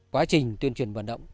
quá trình tuyên truyền vận động